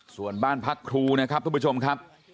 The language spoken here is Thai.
ส่วนบ้านพักครูนะครับทุกผู้ชมครับ